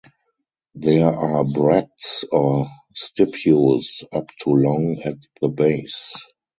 There are bracts or stipules up to long at the base.